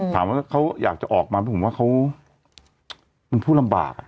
ถามว่าเขาอยากจะออกมาไหมผมว่าเขามันพูดลำบาก